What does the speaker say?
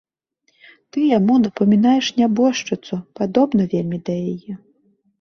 Ты яму напамінаеш нябожчыцу, падобна вельмі да яе!